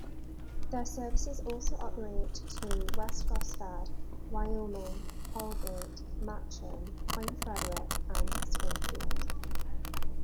Their services also operate to West Gosford, Wyoming, Holgate, Matcham, Point Frederick and Springfield.